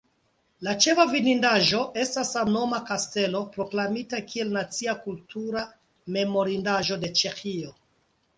La ĉefa vidindaĵo estas samnoma kastelo, proklamita kiel Nacia kultura memorindaĵo de Ĉeĥio.